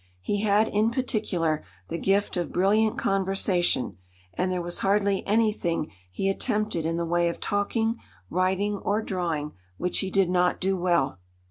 He had in particular the gift of brilliant conversation, and there was hardly anything he attempted in the way of talking, writing, or drawing which he did not do well.